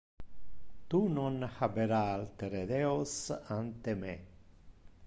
Tu non habera altere deos ante me.